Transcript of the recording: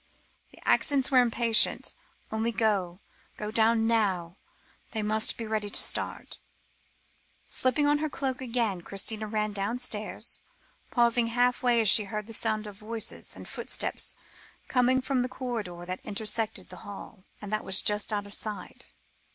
the accents were impatient. "Only go go down now. They must be ready to start." Slipping on her cloak again, Christina ran downstairs, pausing half way as she heard a sound of voices and footsteps coming from the corridor that intersected the hall, and that was just out of her sight.